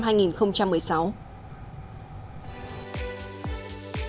hội nghị toàn thể lần thứ một mươi của ủy ban